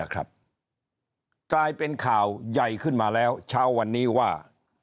กลายเป็นข่าวใหญ่ขึ้นมาแล้วเช้าวันนี้ว่า